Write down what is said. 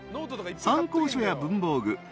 ［参考書や文房具。